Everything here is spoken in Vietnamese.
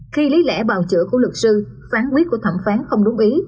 khi lấy lẽ bào chữa của luật sư phán quyết của thẩm phán không đúng ý